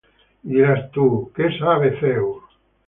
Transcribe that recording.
¿Y dirás tú: Qué sabe Dios?